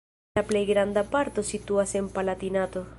La plej granda parto situas en Palatinato.